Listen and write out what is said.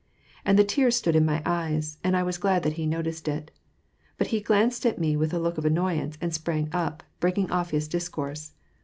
And the tears stood in mv eyes, and I was glad that he noticed it But he glanced at me with a look of annoyance, and sprang up, brealdng off his discourse.